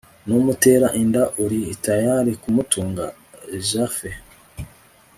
numutera inda uri tayali kumutunga japhe!